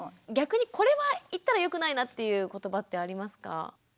逆にこれは言ったらよくないなっていう言葉ってありますか？